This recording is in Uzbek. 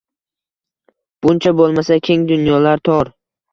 Buncha bulmasa keng dunyolar tor